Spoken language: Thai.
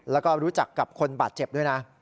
แล้วก็รู้จักกับคนบาดเจ็บด้วยนะ